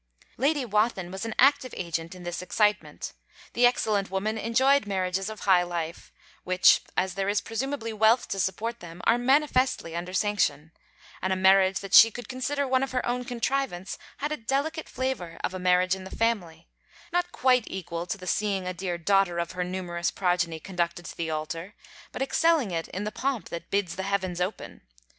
Lady Wathin was an active agent in this excitement. The excellent woman enjoyed marriages of High Life: which, as there is presumably wealth to support them, are manifestly under sanction: and a marriage that she could consider one of her own contrivance, had a delicate flavour of a marriage in the family; not quite equal to the seeing a dear daughter of her numerous progeny conducted to the altar, but excelling it in the pomp that bids the heavens open.